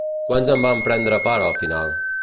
Quants en van prendre part al final?